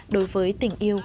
đối với tình yêu